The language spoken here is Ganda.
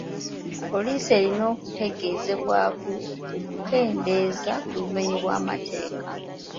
Police erina okutegezebwako okukendeeza ku bumenyi bw'amateeka.